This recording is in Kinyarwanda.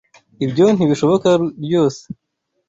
Ibyo ntibishoboka ryose.